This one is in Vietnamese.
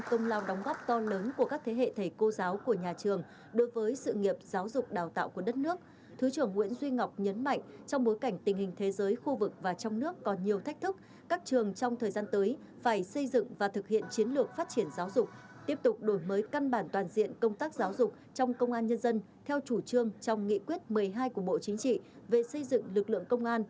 triển khai nghị quyết một mươi hai của bộ chính trị về đẩy mạnh xây dựng lực lượng công an nhân dân